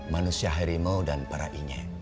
manusia harimau dan para ine